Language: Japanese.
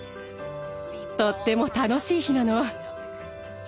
とっても楽しい日なの。